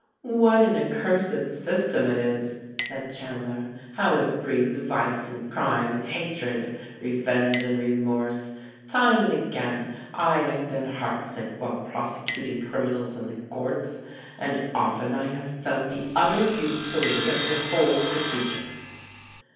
"What an accursed system it is !" said Chandler. "How it breeds vice and crime and hatred, revenge and remorse. Time and again I have been heartsick while prosecuting crim inals in the courts, and often I have felt the utter futility of the whole procedure."